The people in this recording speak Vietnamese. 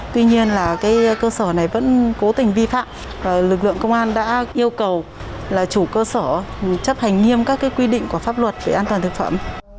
tuy nhiên là cơ sở này vẫn cố tình vi phạm lực lượng công an đã yêu cầu là chủ cơ sở chấp hành nghiêm các quy định của pháp luật về an toàn thực phẩm